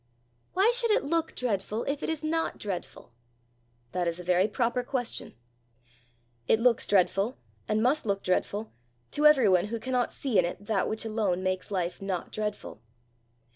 "Why should it look dreadful if it is not dreadful?" "That is a very proper question. It looks dreadful, and must look dreadful, to everyone who cannot see in it that which alone makes life not dreadful.